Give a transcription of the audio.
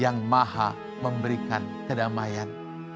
yang maha memberikan kedamaian